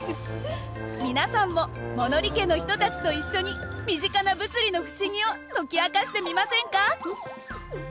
皆さんも物理家の人たちと一緒に身近な物理の不思議を解き明かしてみませんか？